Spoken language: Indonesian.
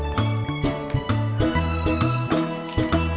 segini dong ya